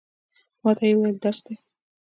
ما ته یې وویل، درس دی.